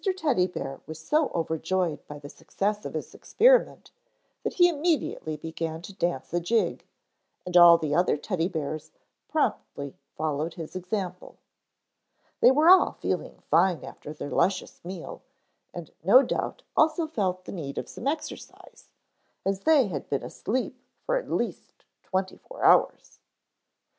Teddy Bear was so overjoyed by the success of his experiment that he immediately began to dance a jig, and all the other Teddy bears promptly followed his example. They were all feeling fine after their luscious meal, and no doubt also felt the need of some exercise, as they had been asleep for at least twenty four hours. Mrs.